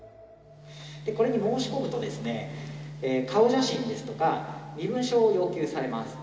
これに申し込むと、顔写真ですとか、身分証を要求されます。